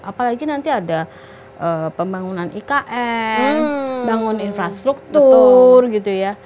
apalagi nanti ada pembangunan ikn bangun infrastruktur gitu ya